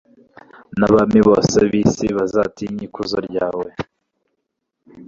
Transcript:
n’abami bose b’isi bazatinye ikuzo ryawe